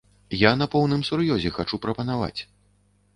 Я на поўным сур'ёзе хачу прапанаваць.